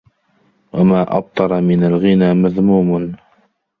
وَمَا أَبْطَرَ مِنْ الْغِنَى مَذْمُومٌ